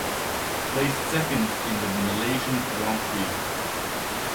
Placed second in the Malaysian Grand Prix.